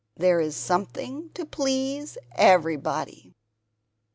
There is something to please everybody.